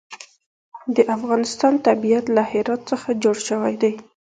د افغانستان طبیعت له هرات څخه جوړ شوی دی.